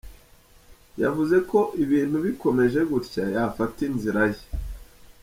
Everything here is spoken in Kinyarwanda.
Yavuze ko ibintu bikomeje gutya, yafata inzira ye.